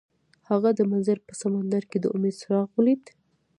هغه د منظر په سمندر کې د امید څراغ ولید.